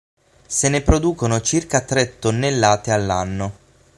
Se ne producono circa tre tonnellate all'anno.